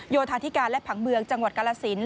โยธาธิการและผังเมืองจังหวัดกาลสิน